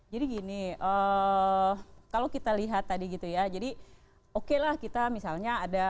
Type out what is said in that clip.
jadi gini kalau kita lihat tadi gitu ya jadi oke lah kita misalnya ada